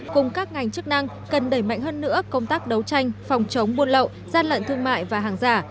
cùng các ngành chức năng cần đẩy mạnh hơn nữa công tác đấu tranh phòng chống buôn lậu gian lận thương mại và hàng giả